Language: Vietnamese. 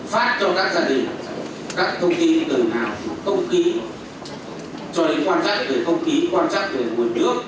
phát cho các gia đình các thông tin từ nào cũng phục vụ cho đến quan trọng về thông ký